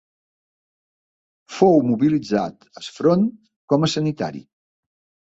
Fou mobilitzat al front com a sanitari.